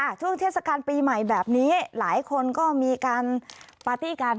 ช่วงเทศกาลปีใหม่แบบนี้หลายคนก็มีการปาร์ตี้กัน